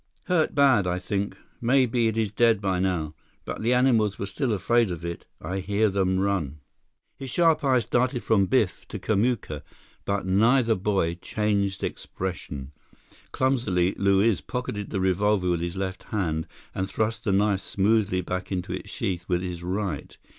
"Hurt bad, I think. Maybe it is dead by now. But the animals were still afraid of it. I hear them run." His sharp eyes darted from Biff to Kamuka, but neither boy changed expression. Clumsily, Luiz pocketed the revolver with his left hand and thrust the knife smoothly back into its sheath with his right.